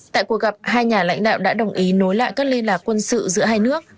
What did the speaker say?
tại cuộc gặp hai nhà lãnh đạo đã đồng ý nối lại các liên lạc quân sự giữa hai nước